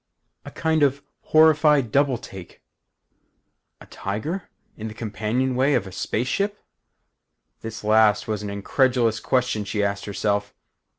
A kind of horrified double take. 'A tiger? In the companionway of a space ship?' This last was an incredulous question she asked herself.